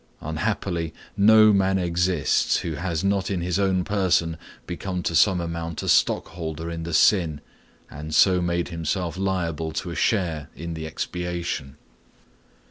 Unhappily no man exists who has not in his own person become to some amount a stockholder in the sin, and so made himself liable to a share in the expiation.